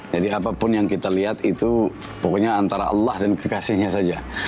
jadi apapun yang kita lihat itu pokoknya antara allah dan kekasihnya saja